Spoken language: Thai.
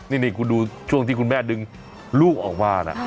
นี่คุณดูช่วงที่คุณแม่ดึงลูกออกมานะ